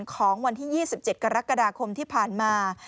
ของวันที่๒๗กรกฎาคมที่ผ่านมา